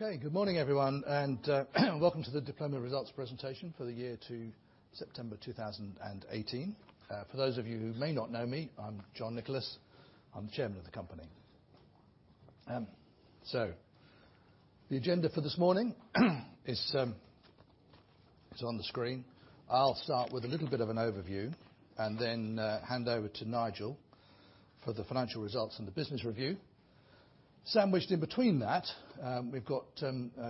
Good morning, everyone, welcome to the Diploma results presentation for the year to September 2018. For those of you who may not know me, I'm John Nicholas. I'm the Chairman of the company. The agenda for this morning is on the screen. I'll start with a little bit of an overview then hand over to Nigel for the financial results and the business review. Sandwiched in between that, we've got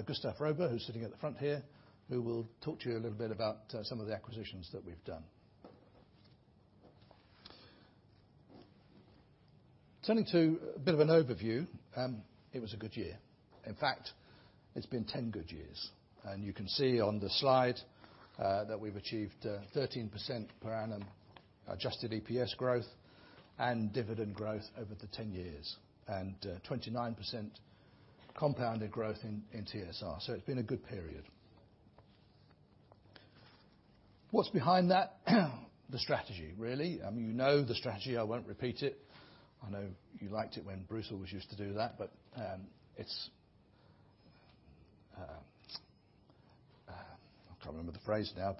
Gustaf Roba, who's sitting at the front here, who will talk to you a little bit about some of the acquisitions that we've done. Turning to a bit of an overview, it was a good year. In fact, it's been 10 good years. You can see on the slide that we've achieved 13% per annum adjusted EPS growth and dividend growth over the 10 years, 29% compounded growth in TSR. It's been a good period. What's behind that? The strategy, really. You know the strategy. I won't repeat it. I know you liked it when Bruce always used to do that, I can't remember the phrase now,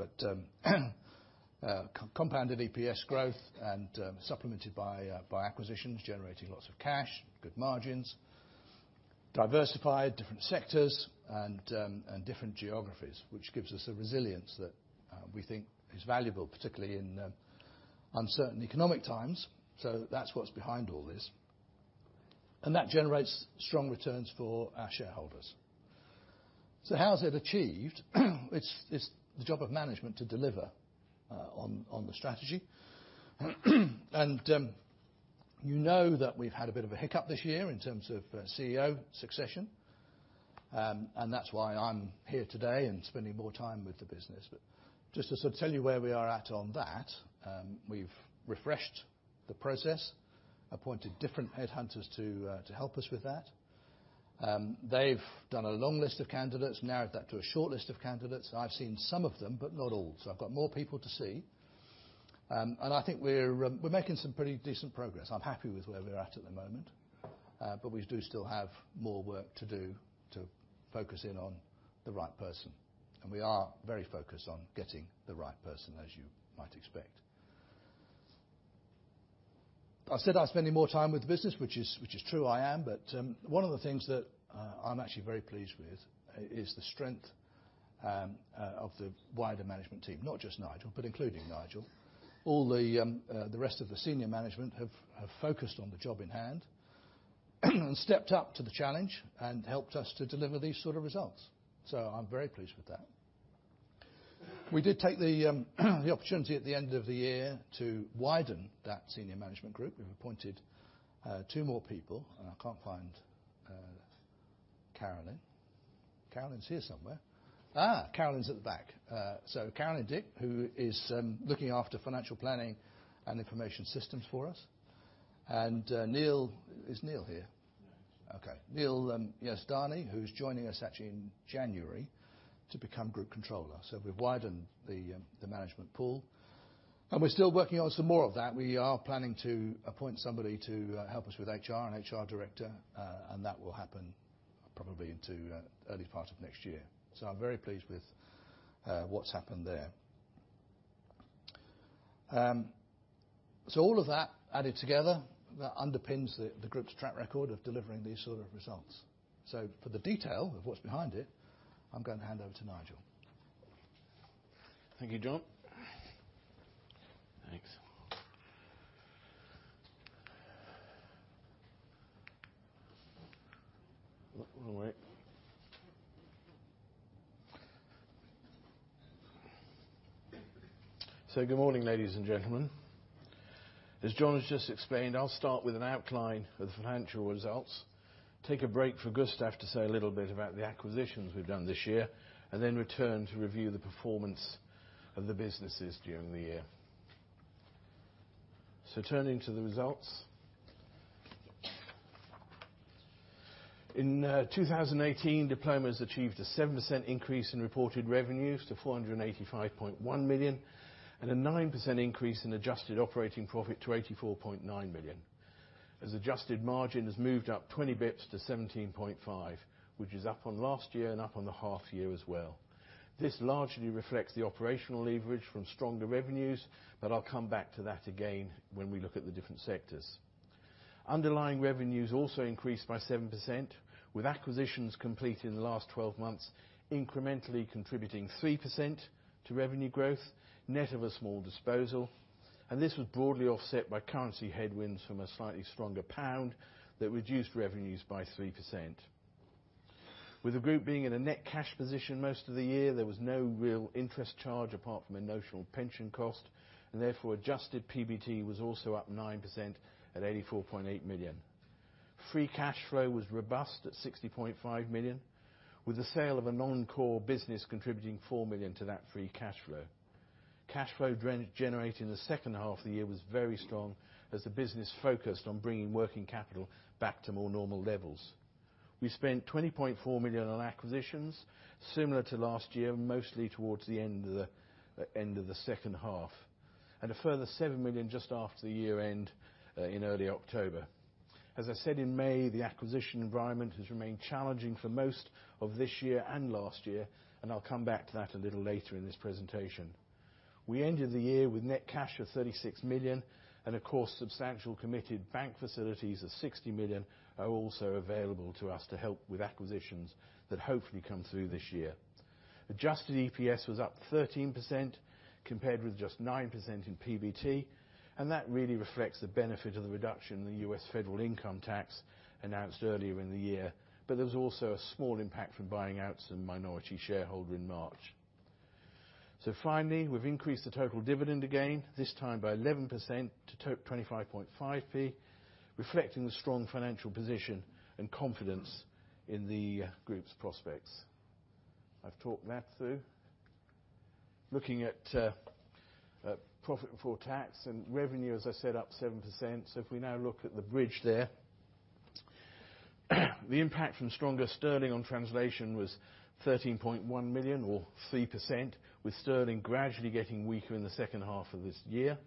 compounded EPS growth and supplemented by acquisitions, generating lots of cash, good margins, diversified different sectors and different geographies, which gives us a resilience that we think is valuable, particularly in uncertain economic times. That's what's behind all this, and that generates strong returns for our shareholders. How is it achieved? It's the job of management to deliver on the strategy. You know that we've had a bit of a hiccup this year in terms of CEO succession, and that's why I'm here today and spending more time with the business. Just to sort of tell you where we are at on that, we've refreshed the process, appointed different headhunters to help us with that. They've done a long list of candidates, narrowed that to a short list of candidates. I've seen some of them, but not all. I've got more people to see. I think we're making some pretty decent progress. I'm happy with where we're at at the moment. We do still have more work to do to focus in on the right person, and we are very focused on getting the right person, as you might expect. I said I was spending more time with the business, which is true. I am. One of the things that I'm actually very pleased with is the strength of the wider management team. Not just Nigel, but including Nigel. All the rest of the senior management have focused on the job in hand and stepped up to the challenge and helped us to deliver these sort of results. I'm very pleased with that. We did take the opportunity at the end of the year to widen that senior management group. We've appointed two more people. I can't find Carolyn. Carolyn's here somewhere. Carolyn's at the back. Carolyn Dick, who is looking after financial planning and information systems for us. Neil, is Neil here? No. Okay. Neil Yazdani, who's joining us actually in January to become group controller. We've widened the management pool. We're still working on some more of that. We are planning to appoint somebody to help us with HR, an HR director, and that will happen probably into early part of next year. I'm very pleased with what's happened there. All of that added together, that underpins the group's track record of delivering these sort of results. For the detail of what's behind it, I'm going to hand over to Nigel. Thank you, John. Thanks. Oh, wait. Good morning, ladies and gentlemen. As John has just explained, I'll start with an outline of the financial results, take a break for Gustaf to say a little bit about the acquisitions we've done this year, and then return to review the performance of the businesses during the year. Turning to the results. In 2018, Diploma has achieved a 7% increase in reported revenues to 485.1 million and a 9% increase in adjusted operating profit to 84.9 million, as adjusted margin has moved up 20 bits to 17.5%, which is up on last year and up on the half year as well. This largely reflects the operational leverage from stronger revenues, I'll come back to that again when we look at the different sectors. Underlying revenues also increased by 7% with acquisitions completed in the last 12 months incrementally contributing 3% to revenue growth net of a small disposal, and this was broadly offset by currency headwinds from a slightly stronger pound that reduced revenues by 3%. With the group being in a net cash position most of the year, there was no real interest charge apart from a notional pension cost, and therefore adjusted PBT was also up 9% at 84.8 million. Free cash flow was robust at 60.5 million, with the sale of a non-core business contributing 4 million to that free cash flow. Cash flow generated in the second half of the year was very strong as the business focused on bringing working capital back to more normal levels. We spent 20.4 million on acquisitions similar to last year, mostly towards the end of the second half. A further 7 million just after the year end in early October. As I said in May, the acquisition environment has remained challenging for most of this year and last year, I'll come back to that a little later in this presentation. We ended the year with net cash of 36 million. Of course, substantial committed bank facilities of 60 million are also available to us to help with acquisitions that hopefully come through this year. Adjusted EPS was up 13%, compared with just 9% in PBT. That really reflects the benefit of the reduction in the U.S. federal income tax announced earlier in the year. There was also a small impact from buying out some minority shareholder in March. Finally, we've increased the total dividend again, this time by 11% to 0.255, reflecting the strong financial position and confidence in the group's prospects. I've talked that through. Looking at PBT and revenue, as I said, up 7%. If we now look at the bridge there. The impact from stronger sterling on translation was 13.1 million or 3%, with sterling gradually getting weaker in the second half of this year.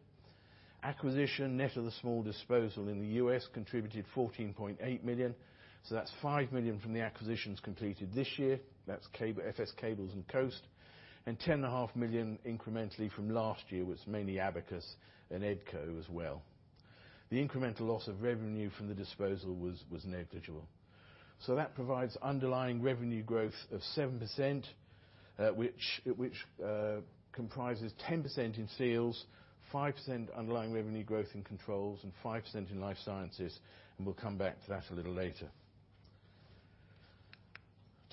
Acquisition, net of the small disposal in the U.S., contributed 14.8 million. That's 5 million from the acquisitions completed this year. That's FS Cables and Coast, and 10.5 million incrementally from last year was mainly Abacus and EDCO as well. The incremental loss of revenue from the disposal was negligible. That provides underlying revenue growth of 7%, which comprises 10% in Seals, 5% underlying revenue growth in Controls, and 5% in Life Sciences, and we'll come back to that a little later.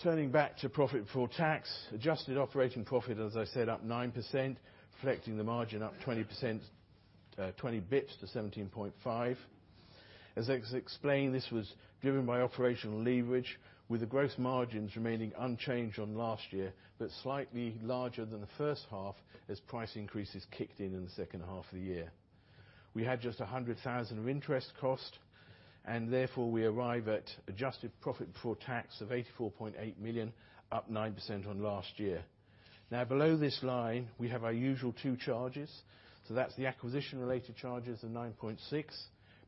Turning back to PBT. Adjusted operating profit, as I said, up 9%, reflecting the margin up 20 basis points to 17.5%. As explained, this was driven by operational leverage, with the gross margins remaining unchanged on last year, but slightly larger than the first half as price increases kicked in in the second half of the year. We had just 100,000 of interest cost, and therefore we arrive at adjusted PBT of 84.8 million, up 9% on last year. Below this line, we have our usual two charges. That's the acquisition related charges of 9.6 million,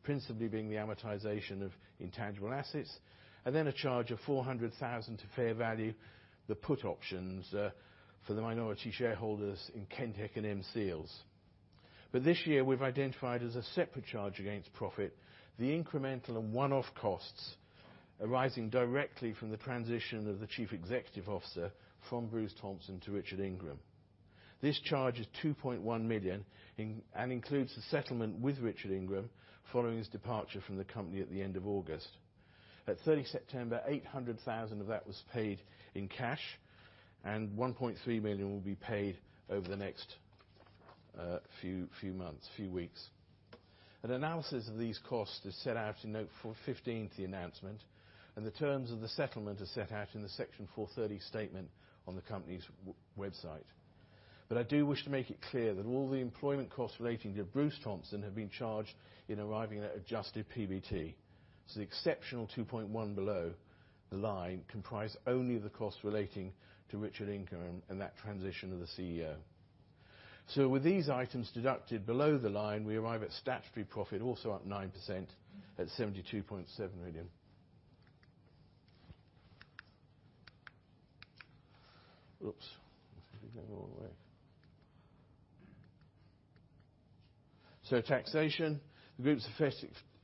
principally being the amortization of intangible assets, and then a charge of 400,000 to fair value the put options for the minority shareholders in Kentek and M Seals. This year, we've identified as a separate charge against profit the incremental and one-off costs arising directly from the transition of the Chief Executive Officer from Bruce Thompson to Richard Ingram. This charge is 2.1 million and includes the settlement with Richard Ingram following his departure from the company at the end of August. At 30 September, 800,000 of that was paid in cash and 1.3 million will be paid over the next few weeks. An analysis of these costs is set out in Note 15 to the announcement, and the terms of the settlement are set out in the Section 430 statement on the company's website. I do wish to make it clear that all the employment costs relating to Bruce Thompson have been charged in arriving at adjusted PBT. The exceptional 2.1 million below the line comprise only of the cost relating to Richard Ingram and that transition of the CEO. With these items deducted below the line, we arrive at statutory profit, also up 9% at 72.7 million. Taxation. The group's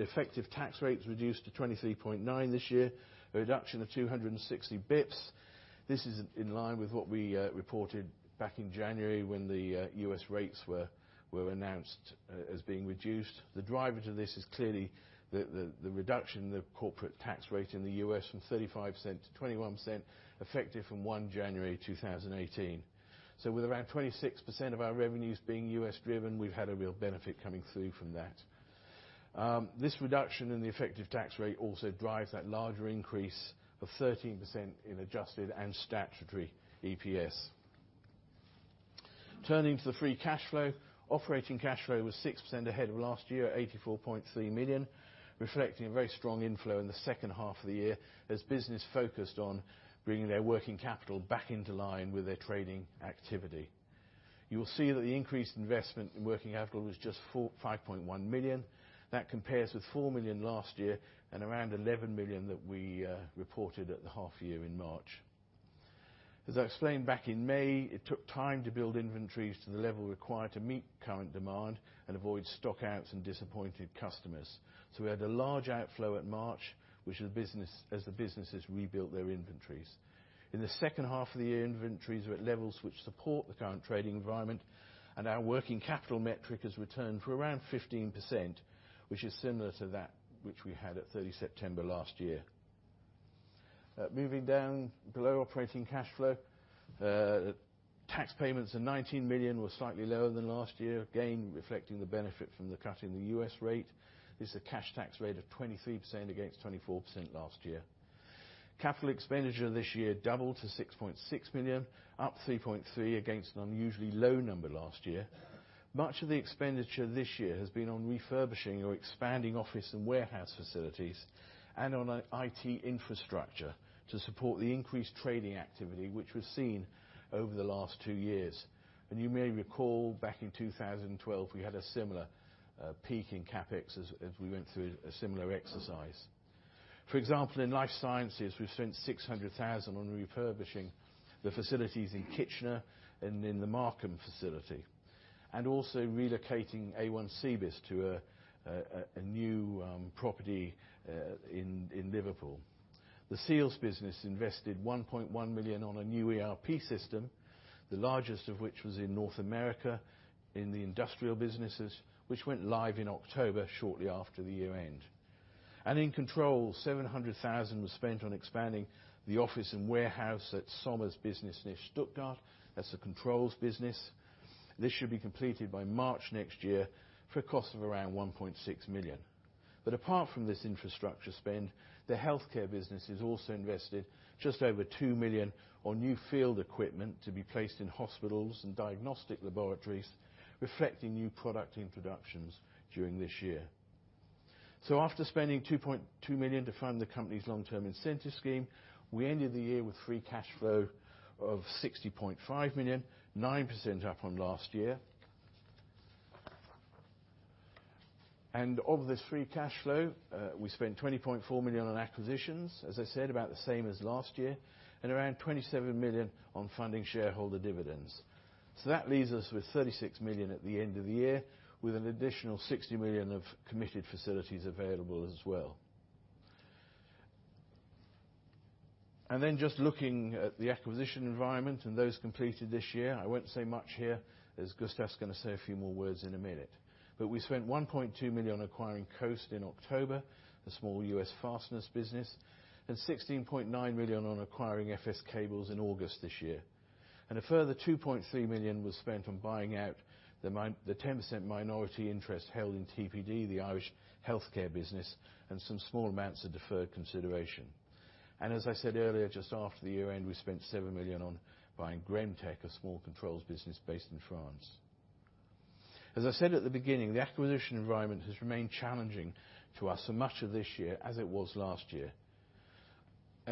effective tax rate reduced to 23.9% this year, a reduction of 260 basis points. This is in line with what we reported back in January when the U.S. rates were announced as being reduced. The driver to this is clearly the reduction in the corporate tax rate in the U.S. from 35% to 21%, effective from 1 January 2018. With around 26% of our revenues being U.S. driven, we've had a real benefit coming through from that. This reduction in the effective tax rate also drives that larger increase of 13% in adjusted and statutory EPS. Turning to the free cash flow. Operating cash flow was 6% ahead of last year at 84.3 million, reflecting a very strong inflow in the second half of the year as business focused on bringing their working capital back into line with their trading activity. You will see that the increased investment in working capital was just 5.1 million. That compares with 4 million last year and around 11 million that we reported at the half year in March. As I explained back in May, it took time to build inventories to the level required to meet current demand and avoid stock outs and disappointed customers. We had a large outflow at March as the businesses rebuilt their inventories. In the second half of the year, inventories were at levels which support the current trading environment. Our working capital metric has returned for around 15%, which is similar to that which we had at 30 September last year. Moving down below operating cash flow. Tax payments of 19 million were slightly lower than last year, again, reflecting the benefit from the cut in the U.S. rate. This is a cash tax rate of 23% against 24% last year. Capital expenditure this year doubled to 6.6 million, up 3.3 million against an unusually low number last year. Much of the expenditure this year has been on refurbishing or expanding office and warehouse facilities, and on IT infrastructure to support the increased trading activity which we've seen over the last two years. You may recall back in 2012, we had a similar peak in CapEx as we went through a similar exercise. For example, in Life Sciences, we've spent 600,000 on refurbishing the facilities in Kitchener and in the Markham facility. Also relocating A1 Seals to a new property in Liverpool. The Seals business invested 1.1 million on a new ERP system, the largest of which was in North America in the industrial businesses, which went live in October, shortly after the year-end. In Controls, 700,000 was spent on expanding the office and warehouse at Sommer's business near Stuttgart. That's the Controls business. This should be completed by March next year for a cost of around 1.6 million. Apart from this infrastructure spend, the healthcare business has also invested just over 2 million on new field equipment to be placed in hospitals and diagnostic laboratories, reflecting new product introductions during this year. After spending 2.2 million to fund the company's long-term incentive scheme, we ended the year with free cash flow of 60.5 million, 9% up from last year. Of this free cash flow, we spent 20.4 million on acquisitions, as I said, about the same as last year, and around 27 million on funding shareholder dividends. That leaves us with 36 million at the end of the year, with an additional 60 million of committed facilities available as well. Just looking at the acquisition environment and those completed this year, I won't say much here as Gustaf's going to say a few more words in a minute. We spent 1.2 million acquiring Coast in October, a small U.S. fasteners business, and 16.9 million on acquiring FS Cables in August this year. A further 2.3 million was spent on buying out the 10% minority interest held in TPD, the Irish healthcare business, and some small amounts of deferred consideration. As I said earlier, just after the year-end, we spent 7 million on buying Gremtek, a small Controls business based in France. As I said at the beginning, the acquisition environment has remained challenging to us for much of this year as it was last year.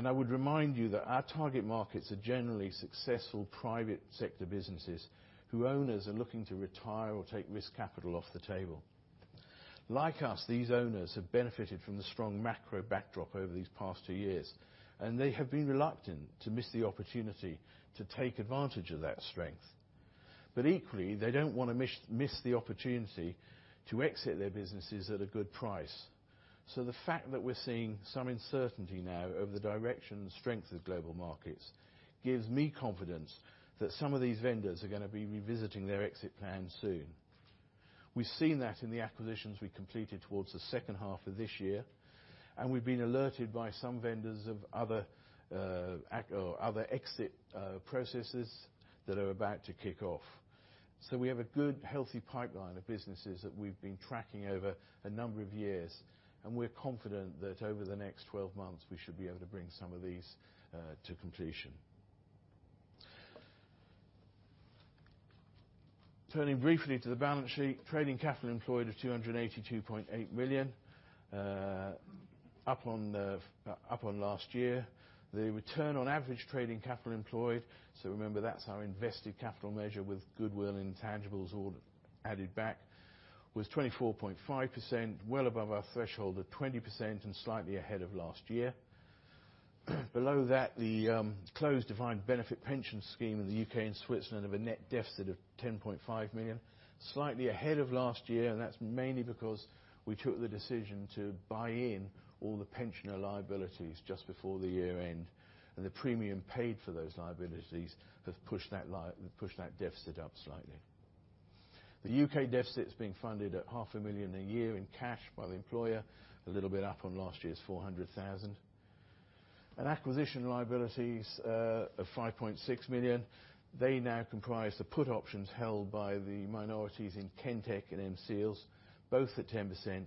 I would remind you that our target markets are generally successful private sector businesses who owners are looking to retire or take risk capital off the table. Like us, these owners have benefited from the strong macro backdrop over these past two years, and they have been reluctant to miss the opportunity to take advantage of that strength. Equally, they don't want to miss the opportunity to exit their businesses at a good price. The fact that we're seeing some uncertainty now over the direction and strength of global markets gives me confidence that some of these vendors are going to be revisiting their exit plan soon. We've seen that in the acquisitions we completed towards the second half of this year, and we've been alerted by some vendors of other exit processes that are about to kick off. We have a good, healthy pipeline of businesses that we've been tracking over a number of years, and we're confident that over the next 12 months, we should be able to bring some of these to completion. Turning briefly to the balance sheet, trading capital employed of 282.8 million up on last year. The return on average trading capital employed, so remember that's our invested capital measure with goodwill intangibles all added back, was 24.5%, well above our threshold of 20% and slightly ahead of last year. Below that, the closed defined benefit pension scheme in the U.K. and Switzerland have a net deficit of 10.5 million. Slightly ahead of last year, that's mainly because we took the decision to buy in all the pensioner liabilities just before the year end, and the premium paid for those liabilities have pushed that deficit up slightly. The U.K. deficit is being funded at half a million a year in cash by the employer, a little bit up on last year's 400,000. Acquisition liabilities of 5.6 million. They now comprise the put options held by the minorities in Kentek and M Seals, both at 10%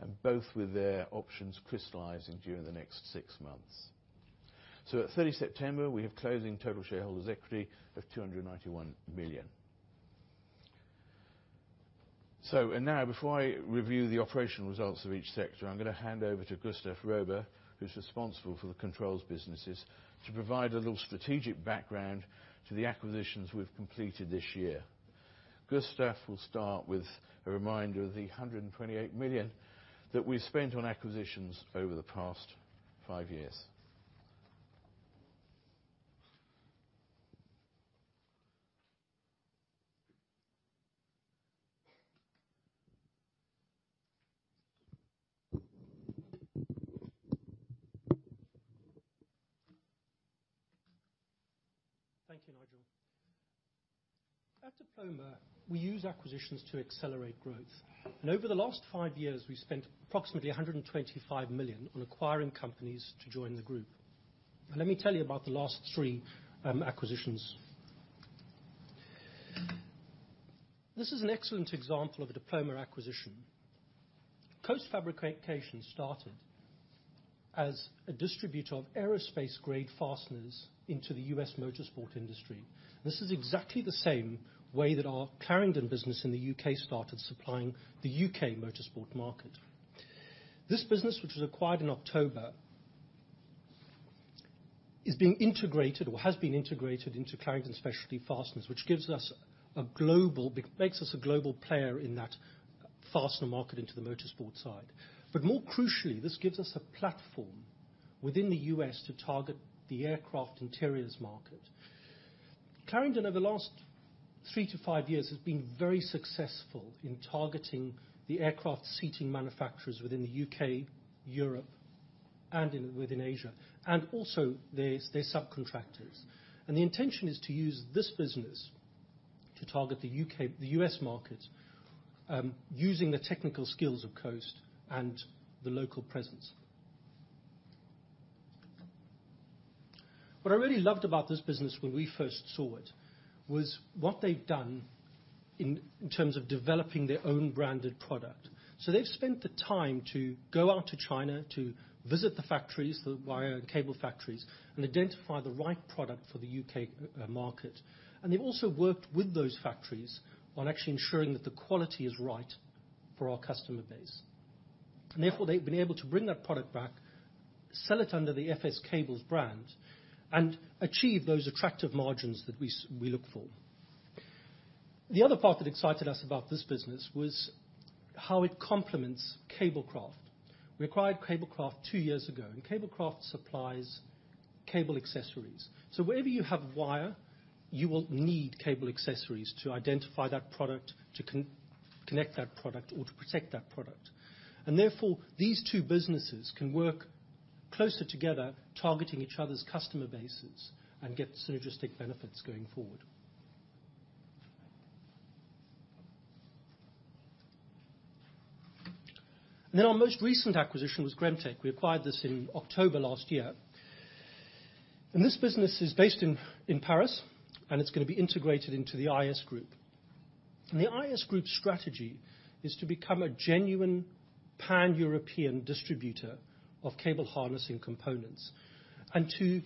and both with their options crystallizing during the next six months. At 30 September, we have closing total shareholders equity of 291 million. Now before I review the operational results of each sector, I'm going to hand over to Gustaf Roba, who's responsible for the Controls businesses, to provide a little strategic background to the acquisitions we've completed this year. Gustaf will start with a reminder of the 128 million that we spent on acquisitions over the past five years. Thank you, Nigel. At Diploma, we use acquisitions to accelerate growth. Over the last 5 years, we've spent approximately 125 million on acquiring companies to join the group. Let me tell you about the last 3 acquisitions. This is an excellent example of a Diploma acquisition. Coast Fabrication started as a distributor of aerospace grade fasteners into the U.S. motorsport industry. This is exactly the same way that our Carrington business in the U.K. started supplying the U.K. motorsport market. This business, which was acquired in October, is being integrated or has been integrated into Clarendon Specialty Fasteners, which makes us a global player in that fastener market into the motorsport side. More crucially, this gives us a platform within the U.S. to target the aircraft interiors market. Carrington, over the last 3 to 5 years, has been very successful in targeting the aircraft seating manufacturers within the U.K., Europe, and within Asia, and also their subcontractors. The intention is to use this business to target the U.S. market, using the technical skills of Coast and the local presence. What I really loved about this business when we first saw it was what they'd done in terms of developing their own branded product. They've spent the time to go out to China, to visit the factories, the wire and cable factories, and identify the right product for the U.K. market. They've also worked with those factories on actually ensuring that the quality is right for our customer base. Therefore, they've been able to bring that product back, sell it under the FS Cables brand, and achieve those attractive margins that we look for. The other part that excited us about this business was how it complements Cablecraft. We acquired Cablecraft 2 years ago, Cablecraft supplies cable accessories. Wherever you have wire, you will need cable accessories to identify that product, to connect that product, or to protect that product. Therefore, these 2 businesses can work closer together, targeting each other's customer bases and get synergistic benefits going forward. Our most recent acquisition was Gremtek. We acquired this in October last year. This business is based in Paris, and it's going to be integrated into the IS Group. The IS Group strategy is to become a genuine pan-European distributor of cable harnessing components and to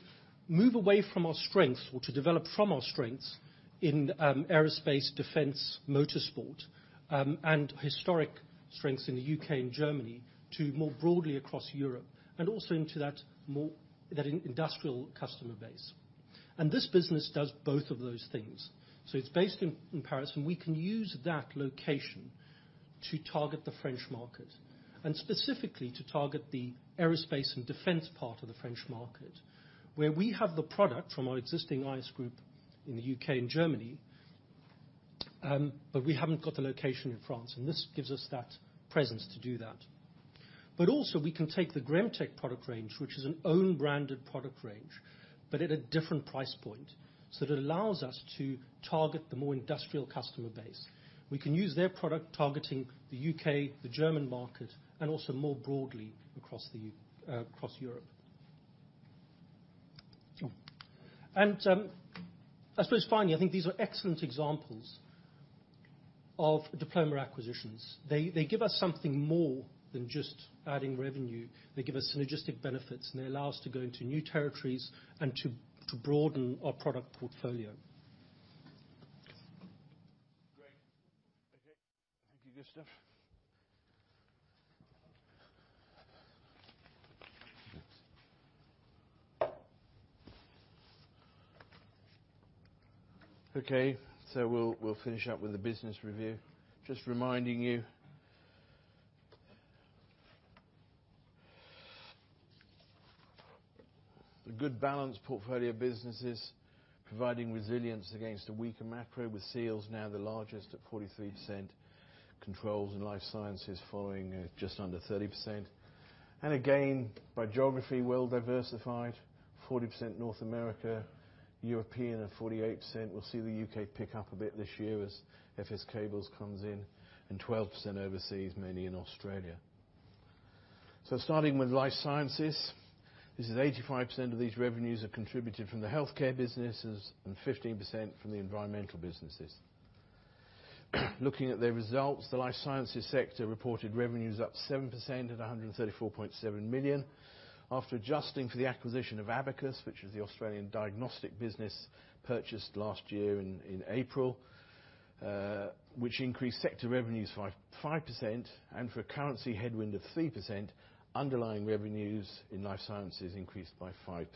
move away from our strengths or to develop from our strengths in aerospace, defense, motorsport, and historic strengths in the U.K. and Germany to more broadly across Europe and also into that industrial customer base. This business does both of those things. It's based in Paris, and we can use that location to target the French market and specifically to target the aerospace and defense part of the French market, where we have the product from our existing IS Group in the U.K. and Germany, but we haven't got the location in France, and this gives us that presence to do that. Also, we can take the Gremtek product range, which is an own branded product range, but at a different price point. It allows us to target the more industrial customer base. We can use their product targeting the U.K., the German market, and also more broadly across Europe. I suppose finally, I think these are excellent examples of Diploma acquisitions. They give us something more than just adding revenue. They give us synergistic benefits, and they allow us to go into new territories and to broaden our product portfolio. Great. Okay. Thank you, Gustaf. Okay. We'll finish up with the business review. Just reminding you. The good balanced portfolio of businesses providing resilience against a weaker macro, with Seals now the largest at 43%, Controls and Life Sciences following at just under 30%. Again, by geography, well diversified, 40% North America, European at 48%. We'll see the U.K. pick up a bit this year as FS Cables comes in, and 12% overseas, mainly in Australia. Starting with Life Sciences, this is 85% of these revenues are contributed from the healthcare businesses and 15% from the environmental businesses. Looking at their results, the Life Sciences sector reported revenues up 7% at 134.7 million. After adjusting for the acquisition of Abacus, which is the Australian diagnostic business purchased last year in April, which increased sector revenues by 5% and for a currency headwind of 3%, underlying revenues in Life Sciences increased by 5%.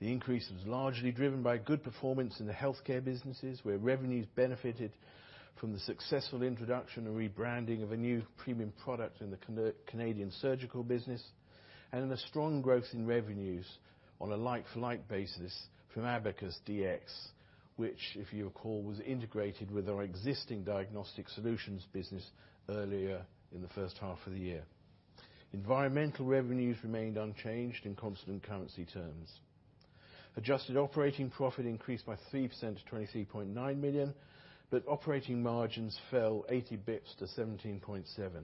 The increase was largely driven by good performance in the healthcare businesses, where revenues benefited from the successful introduction and rebranding of a new premium product in the Canadian surgical business, and in the strong growth in revenues on a like-for-like basis from Abacus dx, which, if you recall, was integrated with our existing Diagnostic Solutions business earlier in the first half of the year. Environmental revenues remained unchanged in constant currency terms. Adjusted operating profit increased by 3% to 23.9 million, operating margins fell 80 basis points to 17.7%.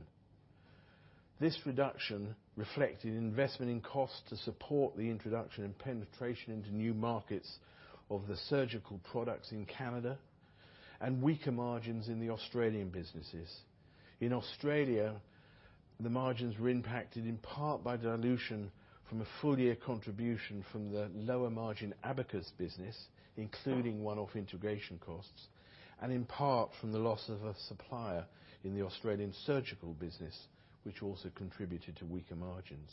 This reduction reflected investment in cost to support the introduction and penetration into new markets of the surgical products in Canada and weaker margins in the Australian businesses. In Australia, the margins were impacted in part by dilution from a full year contribution from the lower margin Abacus business, including one-off integration costs, and in part from the loss of a supplier in the Australian surgical business, which also contributed to weaker margins.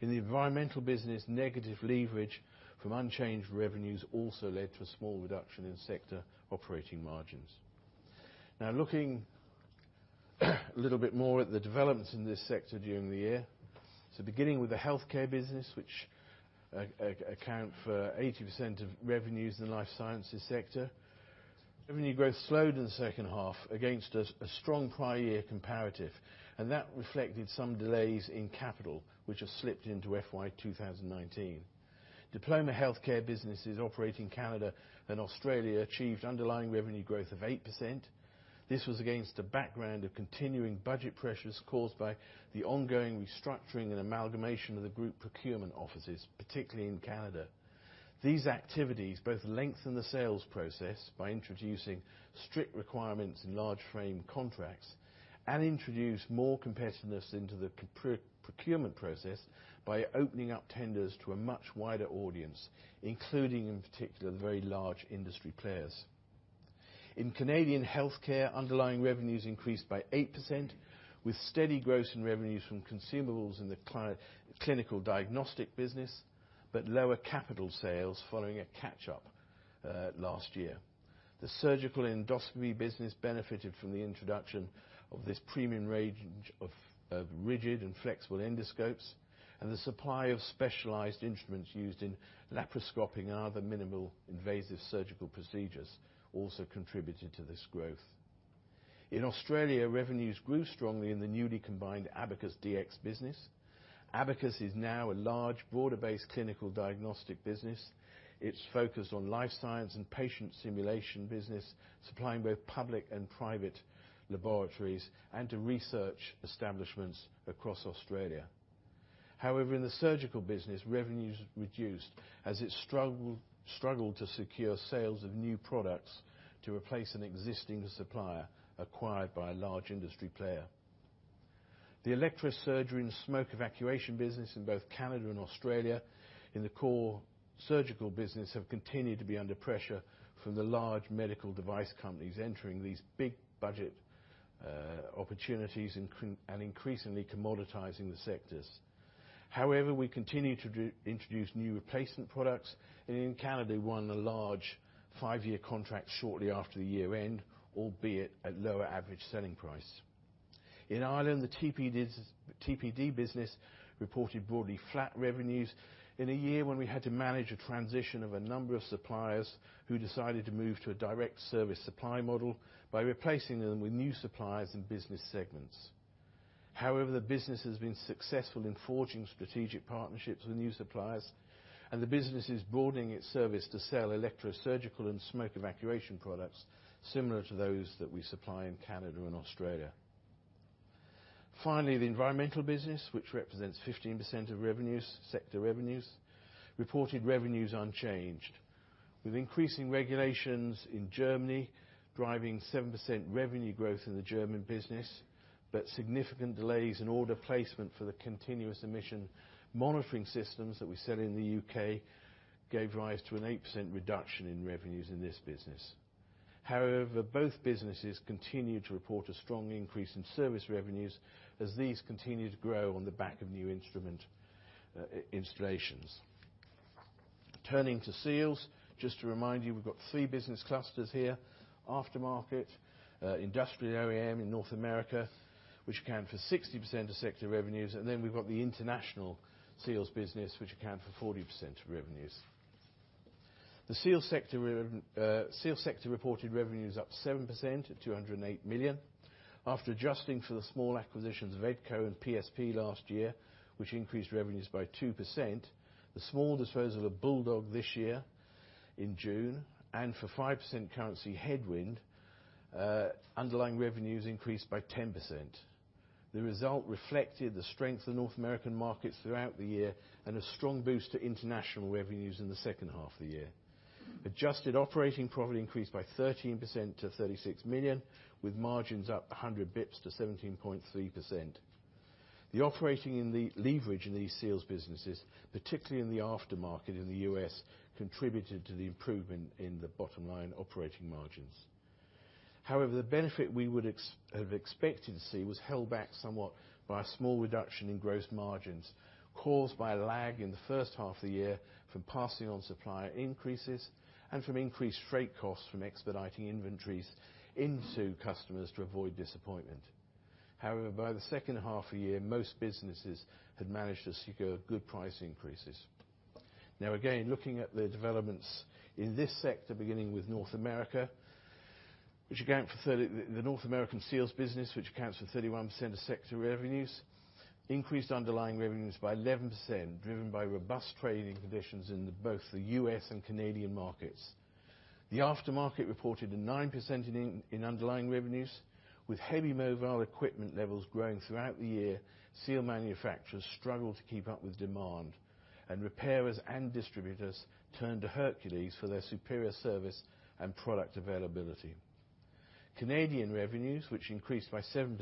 In the environmental business, negative leverage from unchanged revenues also led to a small reduction in sector operating margins. Looking a little bit more at the developments in this sector during the year. Beginning with the healthcare business, which account for 80% of revenues in the Life Sciences sector. Revenue growth slowed in the second half against a strong prior year comparative. That reflected some delays in capital which have slipped into FY 2019. Diploma Healthcare businesses operate in Canada and Australia achieved underlying revenue growth of 8%. This was against a background of continuing budget pressures caused by the ongoing restructuring and amalgamation of the group procurement offices, particularly in Canada. These activities both lengthen the sales process by introducing strict requirements and large frame contracts, and introduce more competitiveness into the procurement process by opening up tenders to a much wider audience, including, in particular, the very large industry players. In Canadian healthcare, underlying revenues increased by 8%, with steady growth in revenues from consumables in the clinical diagnostic business, but lower capital sales following a catch-up last year. The surgical endoscopy business benefited from the introduction of this premium range of rigid and flexible endoscopes. The supply of specialized instruments used in laparoscopy and other minimal invasive surgical procedures also contributed to this growth. In Australia, revenues grew strongly in the newly combined Abacus dx business. Abacus is now a large, broader-based clinical diagnostic business. It's focused on Life Sciences and patient simulation business, supplying both public and private laboratories and to research establishments across Australia. In the surgical business, revenues reduced as it struggled to secure sales of new products to replace an existing supplier acquired by a large industry player. The electrosurgery and smoke evacuation business in both Canada and Australia in the core surgical business have continued to be under pressure from the large medical device companies entering these big budget opportunities and increasingly commoditizing the sectors. We continue to introduce new replacement products. In Canada, we won a large five-year contract shortly after the year end, albeit at lower average selling price. In Ireland, the Technopath business reported broadly flat revenues in a year when we had to manage a transition of a number of suppliers who decided to move to a direct service supply model by replacing them with new suppliers and business segments. The business has been successful in forging strategic partnerships with new suppliers. The business is broadening its service to sell electrosurgical and smoke evacuation products, similar to those that we supply in Canada and Australia. Finally, the environmental business, which represents 15% of sector revenues, reported revenues unchanged, with increasing regulations in Germany driving 7% revenue growth in the German business, but significant delays in order placement for the continuous emission monitoring systems that we sell in the U.K. gave rise to an 8% reduction in revenues in this business. Both businesses continue to report a strong increase in service revenues as these continue to grow on the back of new instrument installations. Turning to Seals. Just to remind you, we've got three business clusters here. Aftermarket, Industrial OEM in North America, which account for 60% of sector revenues. Then we've got the international Seals business, which account for 40% of revenues. The Seals sector reported revenues up 7% at 208 million. After adjusting for the small acquisitions of EDCO and PSP last year, which increased revenues by 2%, the small disposal of Bulldog this year in June, and for 5% currency headwind, underlying revenues increased by 10%. The result reflected the strength of North American markets throughout the year and a strong boost to international revenues in the second half of the year. Adjusted operating profit increased by 13% to 36 million, with margins up 100 basis points to 17.3%. The operating leverage in these Seals businesses, particularly in the aftermarket in the U.S., contributed to the improvement in the bottom line operating margins. The benefit we would have expected to see was held back somewhat by a small reduction in gross margins, caused by a lag in the first half of the year from passing on supplier increases and from increased freight costs from expediting inventories into customers to avoid disappointment. By the second half of the year, most businesses had managed to secure good price increases. Again, looking at the developments in this sector, beginning with North America. The North American Seals business, which accounts for 31% of sector revenues, increased underlying revenues by 11%, driven by robust trading conditions in both the U.S. and Canadian markets. The aftermarket reported a 9% in underlying revenues. With heavy mobile equipment levels growing throughout the year, seal manufacturers struggled to keep up with demand, and repairers and distributors turned to Hercules for their superior service and product availability. Canadian revenues, which increased by 7%,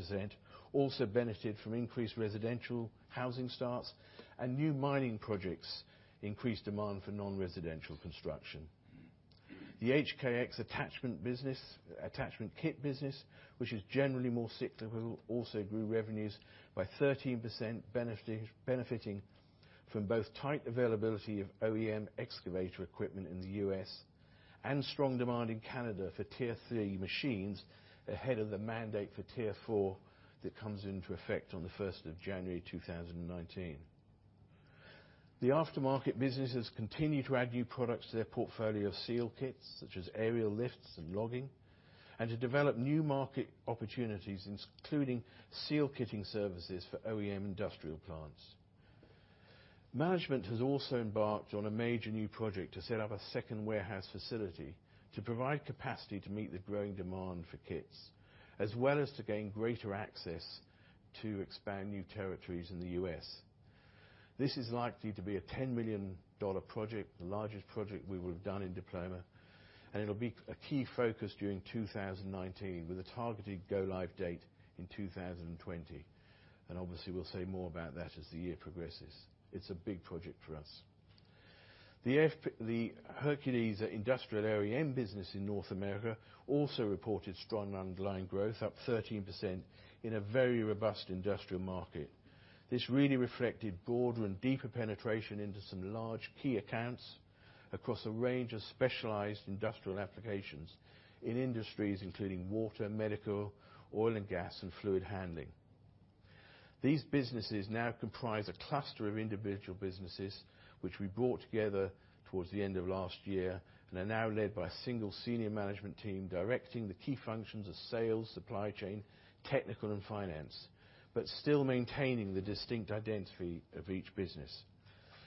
also benefited from increased residential housing starts and new mining projects increased demand for non-residential construction. The HKX attachment kit business, which is generally more cyclical, also grew revenues by 13%, benefiting from both tight availability of OEM excavator equipment in the U.S. and strong demand in Canada for Tier 3 machines ahead of the mandate for Tier 4 that comes into effect on the 1st of January 2019. The aftermarket businesses continue to add new products to their portfolio of seal kits, such as aerial lifts and logging, and to develop new market opportunities, including seal kitting services for OEM industrial plants. Management has also embarked on a major new project to set up a second warehouse facility to provide capacity to meet the growing demand for kits, as well as to gain greater access to expand new territories in the U.S. This is likely to be a GBP 10 million project, the largest project we will have done in Diploma, and it'll be a key focus during 2019 with a targeted go-live date in 2020. Obviously, we'll say more about that as the year progresses. It's a big project for us. The Hercules industrial area end business in North America also reported strong underlying growth, up 13% in a very robust industrial market. This really reflected broader and deeper penetration into some large key accounts across a range of specialized industrial applications in industries including water, medical, oil and gas, and fluid handling. These businesses now comprise a cluster of individual businesses, which we brought together towards the end of last year and are now led by a single senior management team directing the key functions of sales, supply chain, technical, and finance, but still maintaining the distinct identity of each business.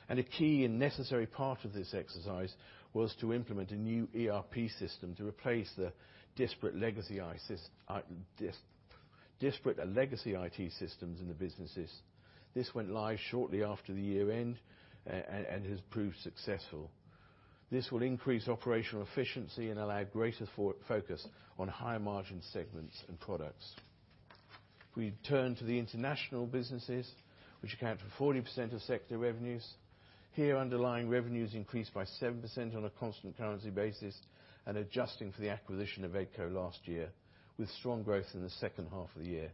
A key and necessary part of this exercise was to implement a new ERP system to replace the disparate legacy IT systems in the businesses. This went live shortly after the year-end and has proved successful. This will increase operational efficiency and allow greater focus on higher margin segments and products. If we turn to the international businesses, which account for 40% of sector revenues. Here, underlying revenues increased by 7% on a constant currency basis and adjusting for the acquisition of EDCO last year, with strong growth in the second half of the year.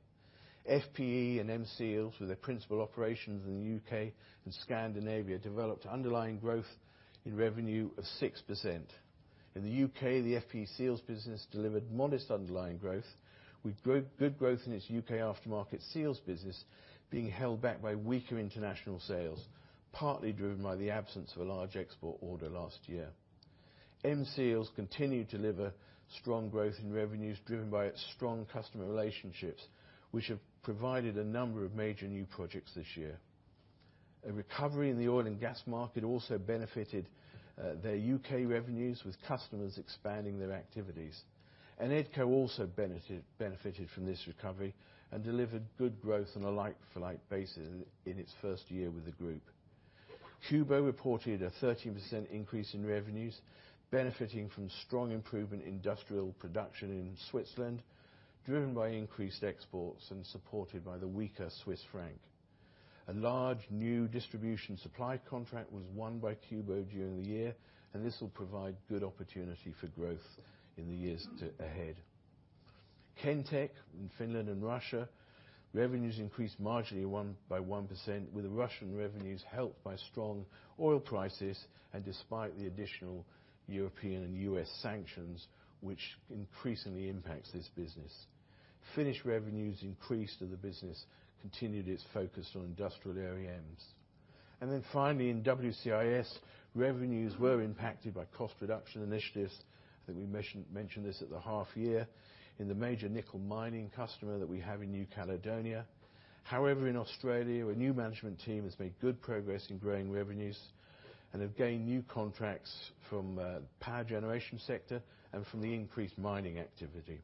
FPE and M Seals, with their principal operations in the U.K. and Scandinavia, developed underlying growth in revenue of 6%. In the U.K., the FPE Seals business delivered modest underlying growth, with good growth in its U.K. aftermarket Seals business being held back by weaker international sales, partly driven by the absence of a large export order last year. M Seals continued to deliver strong growth in revenues driven by its strong customer relationships, which have provided a number of major new projects this year. A recovery in the oil and gas market also benefited their U.K. revenues, with customers expanding their activities. EDCO also benefited from this recovery and delivered good growth on a like-for-like basis in its first year with the group. Kubo reported a 13% increase in revenues, benefiting from strong improvement industrial production in Switzerland, driven by increased exports and supported by the weaker Swiss franc. A large new distribution supply contract was won by Kubo during the year, and this will provide good opportunity for growth in the years ahead. Kentek in Finland and Russia, revenues increased marginally by 1%, with the Russian revenues helped by strong oil prices and despite the additional European and U.S. sanctions, which increasingly impacts this business. Finnish revenues increased, and the business continued its focus on industrial area ends. Finally, in WCIS, revenues were impacted by cost reduction initiatives. I think we mentioned this at the half year in the major nickel mining customer that we have in New Caledonia. However, in Australia, a new management team has made good progress in growing revenues and have gained new contracts from the power generation sector and from the increased mining activity.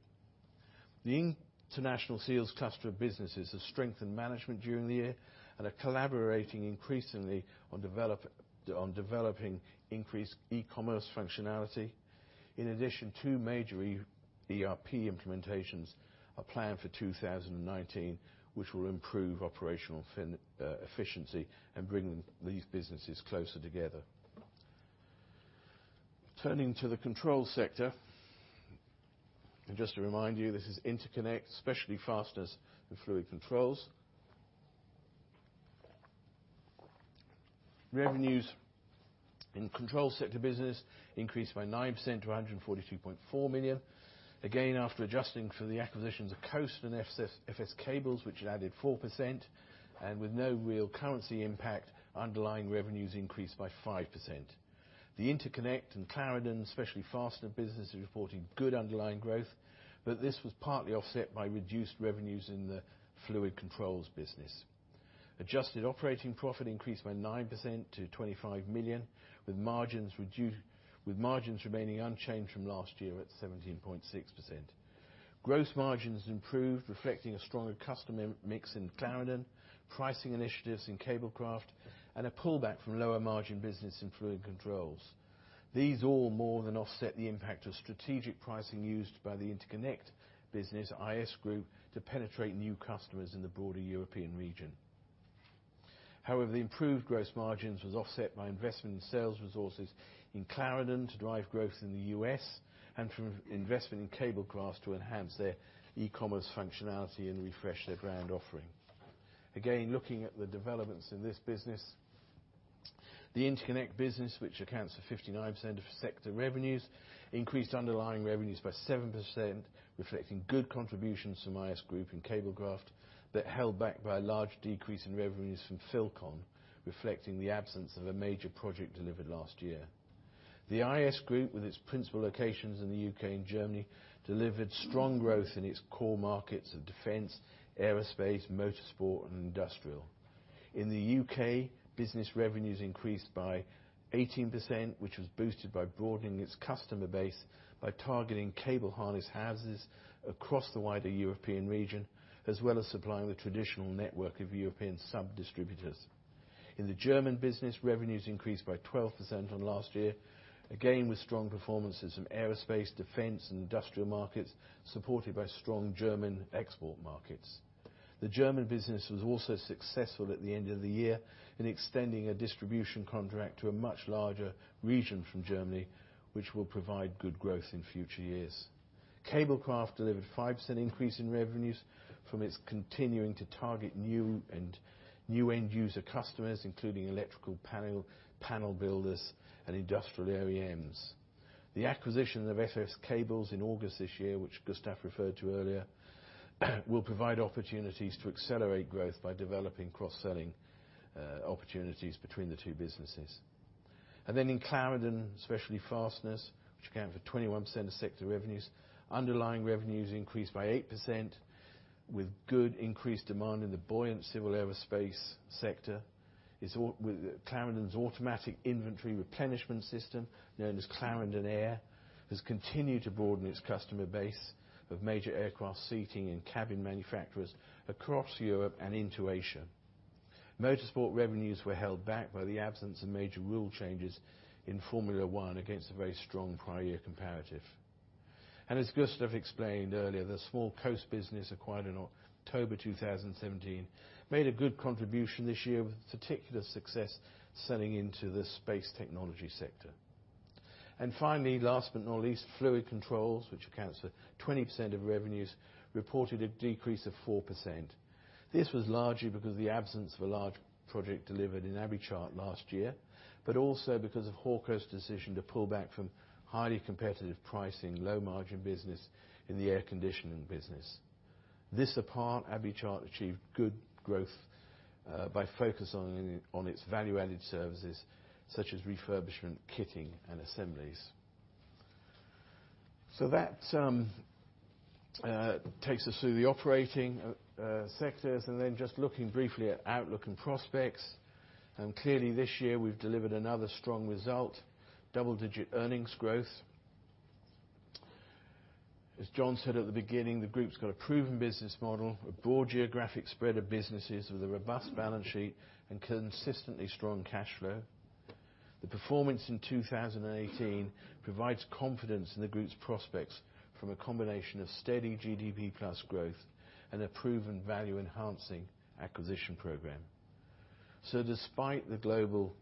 The international Seals cluster of businesses have strengthened management during the year and are collaborating increasingly on developing increased e-commerce functionality. In addition, two major ERP implementations are planned for 2019, which will improve operational efficiency and bring these businesses closer together. Turning to the Controls sector. Just to remind you, this is interconnects, specialty fasteners, and fluid Controls. Revenues in Controls sector business increased by 9% to 142.4 million. Again, after adjusting for the acquisitions of Coast and FS Cables, which added 4%, and with no real currency impact, underlying revenues increased by 5%. The Interconnect and Clarendon Specialty Fasteners business is reporting good underlying growth, but this was partly offset by reduced revenues in the Fluid Controls business. Adjusted operating profit increased by 9% to 25 million, with margins remaining unchanged from last year at 17.6%. Gross margins improved, reflecting a stronger customer mix in Clarendon, pricing initiatives in Cablecraft, and a pullback from lower margin business in Fluid Controls. These all more than offset the impact of strategic pricing used by the Interconnect business, IS-Group, to penetrate new customers in the broader European region. The improved gross margins was offset by investment in sales resources in Clarendon to drive growth in the U.S., and from investment in Cablecraft to enhance their e-commerce functionality and refresh their brand offering. Looking at the developments in this business, the Interconnect business, which accounts for 59% of sector revenues, increased underlying revenues by 7%, reflecting good contributions from IS-Group and Cablecraft, but held back by a large decrease in revenues from Filcon, reflecting the absence of a major project delivered last year. The IS-Group, with its principal locations in the U.K. and Germany, delivered strong growth in its core markets of defense, aerospace, motorsport, and industrial. In the U.K., business revenues increased by 18%, which was boosted by broadening its customer base by targeting cable harness houses across the wider European region, as well as supplying the traditional network of European sub-distributors. In the German business, revenues increased by 12% on last year, with strong performances from aerospace, defense, and industrial markets, supported by strong German export markets. The German business was also successful at the end of the year in extending a distribution contract to a much larger region from Germany, which will provide good growth in future years. Cablecraft delivered 5% increase in revenues from its continuing to target new end user customers, including electrical panel builders and industrial OEMs. The acquisition of FS Cables in August this year, which Gustaf referred to earlier, will provide opportunities to accelerate growth by developing cross-selling opportunities between the two businesses. In Clarendon Specialty Fasteners, which account for 21% of sector revenues, underlying revenues increased by 8% with good increased demand in the buoyant civil aerospace sector. Clarendon's automatic inventory replenishment system, known as Clarendon Air, has continued to broaden its customer base of major aircraft seating and cabin manufacturers across Europe and into Asia. Motorsport revenues were held back by the absence of major rule changes in Formula 1 against a very strong prior year comparative. As Gustaf explained earlier, the small Coast business acquired in October 2017 made a good contribution this year, with particular success selling into the space technology sector. Last but not least, Fluid Controls, which accounts for 20% of revenues, reported a decrease of 4%. This was largely because of the absence of a large project delivered in Abbeychart last year, but also because of Hawkhurst's decision to pull back from highly competitive pricing, low margin business in the air conditioning business. This apart, Abbeychart achieved good growth by focusing on its value-added services such as refurbishment, kitting, and assemblies. That takes us through the operating sectors. Just looking briefly at outlook and prospects. Clearly this year, we've delivered another strong result, double-digit earnings growth. As John said at the beginning, the group's got a proven business model, a broad geographic spread of businesses with a robust balance sheet, and consistently strong cash flow. The performance in 2018 provides confidence in the group's prospects from a combination of steady GDP plus growth and a proven value-enhancing acquisition program. Despite the global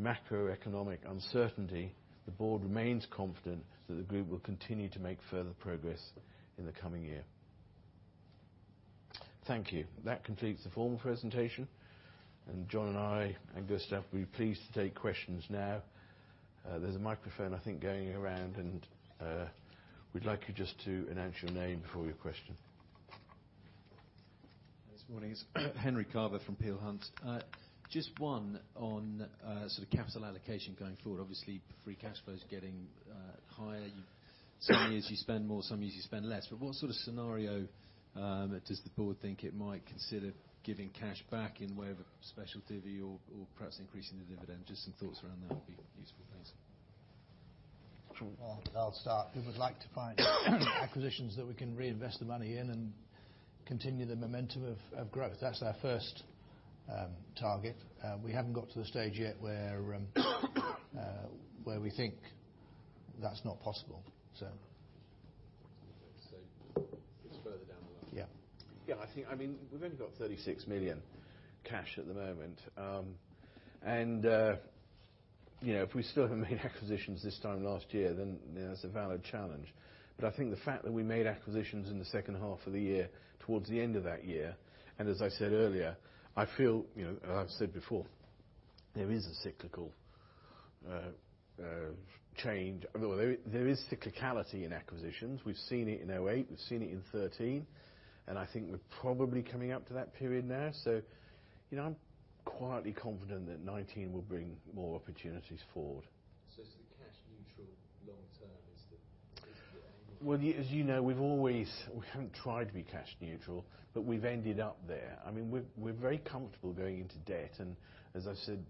macroeconomic uncertainty, the board remains confident that the group will continue to make further progress in the coming year. Thank you. That completes the formal presentation, and John and I, and Gustaf, will be pleased to take questions now. There's a microphone, I think, going around, and we'd like you just to announce your name before your question. Good morning. It's Henry Carver from Peel Hunt. Just one on sort of capital allocation going forward. Obviously, free cash flow is getting higher. Some years you spend more, some years you spend less. What sort of scenario does the board think it might consider giving cash back in way of a special divvy or perhaps increasing the dividend? Just some thoughts around that would be useful. Thanks. John. Well, I'll start. We would like to find acquisitions that we can reinvest the money in and continue the momentum of growth. That's our first target. We haven't got to the stage yet where we think that's not possible. So It's further down the line. Yeah. I think, we've only got 36 million cash at the moment. If we still haven't made acquisitions this time last year, then that's a valid challenge. I think the fact that we made acquisitions in the second half of the year towards the end of that year, and as I said earlier, I feel, as I've said before, there is a cyclical change. There is cyclicality in acquisitions. We've seen it in 2008, we've seen it in 2013, and I think we're probably coming up to that period now. I'm quietly confident that 2019 will bring more opportunities forward. It's the cash neutral long term is the. As you know, we haven't tried to be cash neutral, but we've ended up there. We're very comfortable going into debt, and as I've said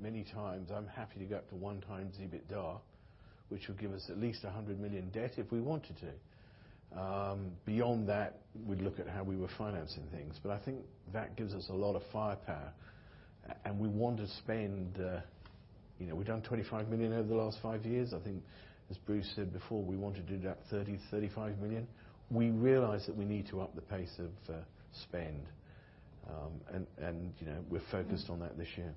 many times, I'm happy to go up to 1x EBITDA, which would give us at least 100 million debt if we wanted to. Beyond that, we'd look at how we were financing things. I think that gives us a lot of firepower. We want to spend. We've done 25 million over the last five years. I think as Bruce said before, we want to do that 30 million-35 million. We realize that we need to up the pace of spend. We're focused on that this year.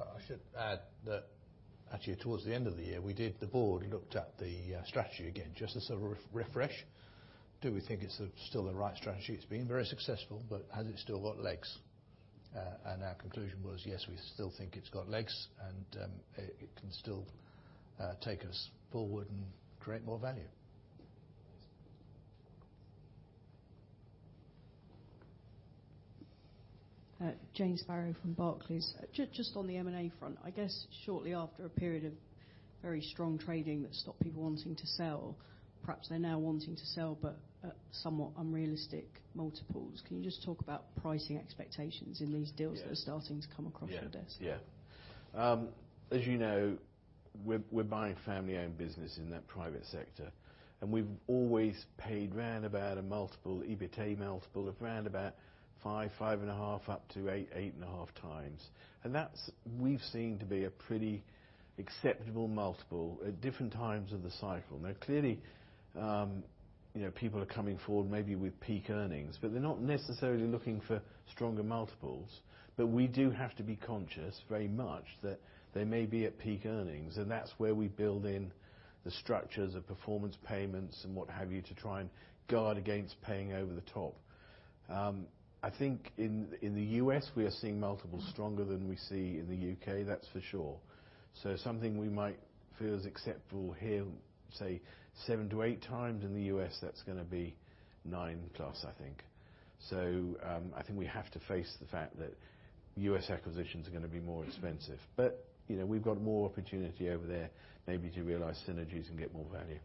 I should add that actually towards the end of the year, the board looked at the strategy again, just as a refresh. Do we think it's still the right strategy? It's been very successful, but has it still got legs? Our conclusion was, yes, we still think it's got legs, and it can still take us forward and create more value. Thanks. Jane Sparrow from Barclays. On the M&A front, I guess shortly after a period of very strong trading that stopped people wanting to sell, perhaps they're now wanting to sell but at somewhat unrealistic multiples. Can you just talk about pricing expectations in these deals that are starting to come across your desk? Yeah. As you know, we're buying family-owned business in that private sector, we've always paid around about a multiple, EBITDA multiple of around about five and a half up to eight and a half times. That's we've seen to be a pretty acceptable multiple at different times of the cycle. Clearly, people are coming forward maybe with peak earnings, they're not necessarily looking for stronger multiples. We do have to be conscious very much that they may be at peak earnings. That's where we build in the structures of performance payments and what have you to try and guard against paying over the top. I think in the U.S., we are seeing multiples stronger than we see in the U.K., that's for sure. Something we might feel is acceptable here, say seven to eight times, in the U.S. that's going to be nine plus I think. I think we have to face the fact that U.S. acquisitions are going to be more expensive. We've got more opportunity over there maybe to realize synergies and get more value.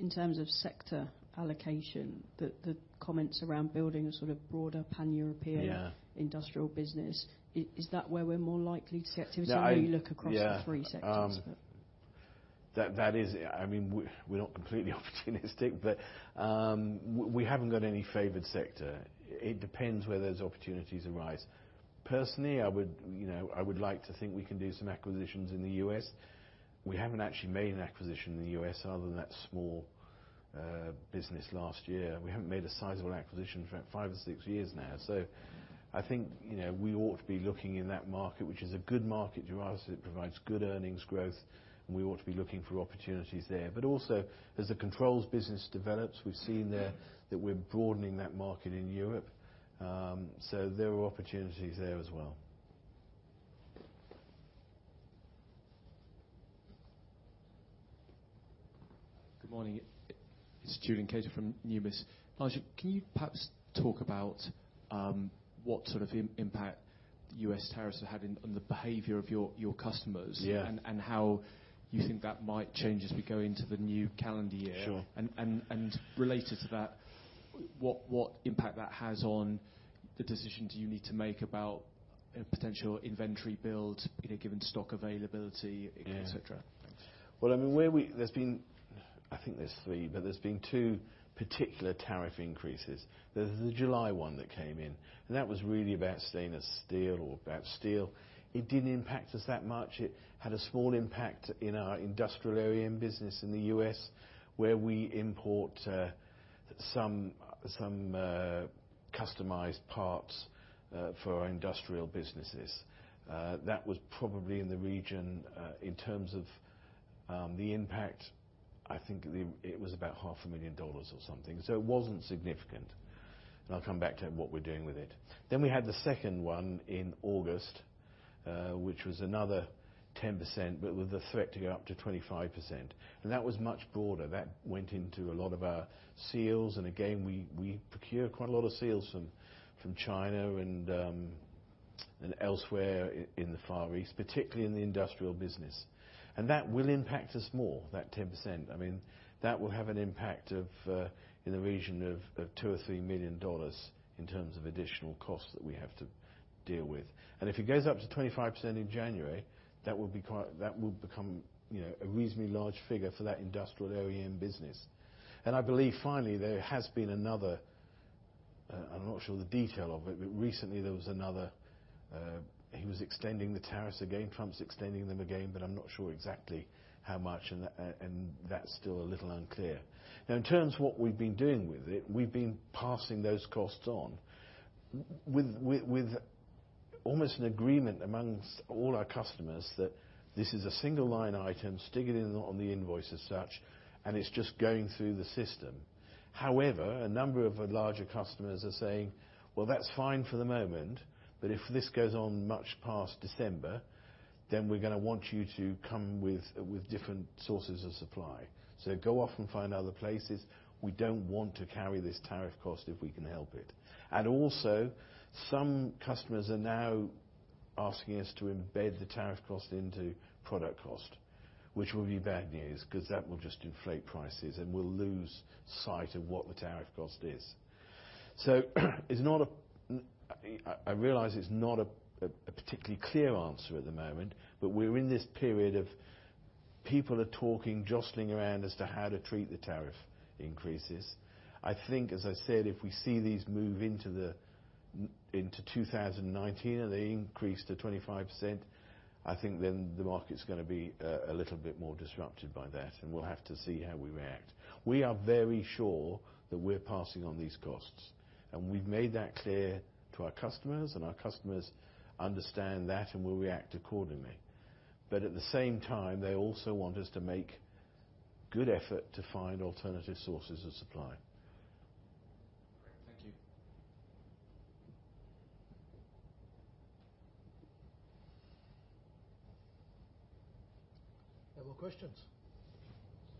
In terms of sector allocation, the comments around building a sort of broader pan-European- Yeah industrial business. Is that where we're more likely to see activity? No. When you look across the three sectors? Yeah. We're not completely opportunistic, but we haven't got any favored sector. It depends where those opportunities arise. Personally, I would like to think we can do some acquisitions in the U.S. We haven't actually made an acquisition in the U.S. other than that small business last year. We haven't made a sizable acquisition for about five or six years now. I think we ought to be looking in that market, which is a good market to us. It provides good earnings growth, and we ought to be looking for opportunities there. Also, as the Controls business develops, we've seen there that we're broadening that market in Europe. There are opportunities there as well. Good morning. It's Julian Cater from Numis. Nigel, can you perhaps talk about what sort of impact the U.S. tariffs have had on the behavior of your customers? Yeah. How you think that might change as we go into the new calendar year? Sure. Related to that, what impact that has on the decisions you need to make about potential inventory build given stock availability, et cetera? Thanks. Well, I think there's three, but there's been two particular tariff increases. There's the July one that came in. That was really about stainless steel or about steel. It didn't impact us that much. It had a small impact in our industrial Hercules business in the U.S., where we import some customized parts for our industrial businesses. That was probably in the region, in terms of the impact, I think it was about half a million dollars or something. It wasn't significant. I'll come back to what we're doing with it. We had the second one in August, which was another 10%, but with the threat to go up to 25%. That was much broader. That went into a lot of our seals, and again, we procure quite a lot of seals from China and elsewhere in the Far East, particularly in the industrial business. That will impact us more, that 10%. That will have an impact in the region of $2 million or $3 million in terms of additional costs that we have to deal with. If it goes up to 25% in January, that will become a reasonably large figure for that industrial Hercules business. I believe finally, there has been another. I'm not sure of the detail of it, but recently there was another. He was extending the tariffs again, Trump's extending them again, but I'm not sure exactly how much, and that's still a little unclear. In terms of what we've been doing with it, we've been passing those costs on. With almost an agreement amongst all our customers that this is a single line item, stick it in on the invoice as such, and it's just going through the system. However, a number of larger customers are saying, "Well, that's fine for the moment, but if this goes on much past December, then we're going to want you to come with different sources of supply." Go off and find other places. We don't want to carry this tariff cost if we can help it. Some customers are now asking us to embed the tariff cost into product cost, which will be bad news because that will just inflate prices, and we'll lose sight of what the tariff cost is. I realize it's not a particularly clear answer at the moment, but we're in this period of people are talking, jostling around as to how to treat the tariff increases. As I said, if we see these move into 2019, and they increase to 25%, I think then the market's going to be a little bit more disrupted by that, and we'll have to see how we react. We are very sure that we're passing on these costs. We've made that clear to our customers, and our customers understand that and will react accordingly. At the same time, they also want us to make good effort to find alternative sources of supply. Great. Thank you. No more questions?